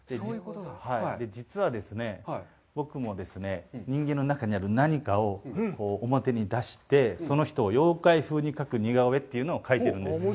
実はですね、僕も、人間の中にある何かを表に出して、その人を妖怪風に描く似顔絵というのを描いてるんです。